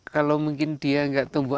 kalau mungkin dia nggak tumbuh